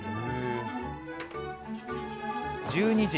１２時。